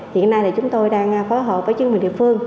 hiện nay thì chúng tôi đang phối hợp với chương trình địa phương